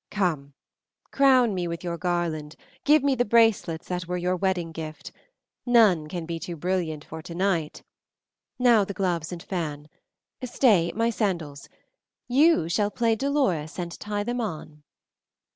Come! Crown me with your garland, give me the bracelets that were your wedding gift none can be too brilliant for tonight. Now the gloves and fan. Stay, my sandals you shall play Dolores and tie them on."